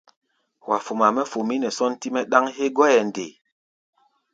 Wa foma mɛ́ fomí nɛ sɔ́ntí-mɛ́ ɗáŋ hégɔ́ʼɛ nde?